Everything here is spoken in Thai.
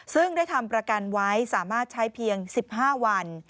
ซึ่งได้ทำประกันไว้สามารถใช้เพียง๑๕วัน